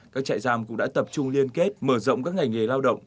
các trại giam cũng đã tập trung liên kết mở rộng các ngành nghề lao động